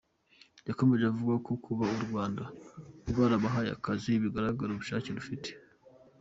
Yakomeje avuga ko kuba u Rwanda rwarabahaye akazi bigaragaza ubushake rufite.